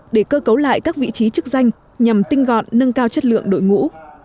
để cơ cấu lại các vị trí chức danh nhằm tinh gọn nâng cao chất lượng đội ngũ